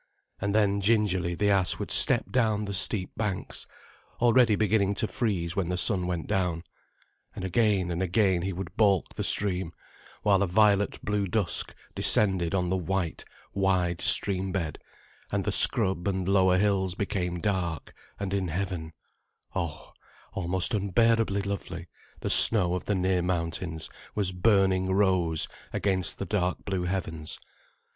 And then gingerly the ass would step down the steep banks, already beginning to freeze when the sun went down. And again and again he would balk the stream, while a violet blue dusk descended on the white, wide stream bed, and the scrub and lower hills became dark, and in heaven, oh, almost unbearably lovely, the snow of the near mountains was burning rose, against the dark blue heavens.